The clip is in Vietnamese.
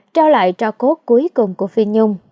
trao lại trao cốt cuối cùng của phi nhung